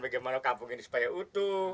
bagaimana kampung ini supaya utuh